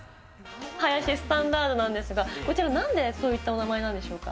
ハヤシスタンダードなんですが、こちら、なんでそういったお名前なんでしょうか。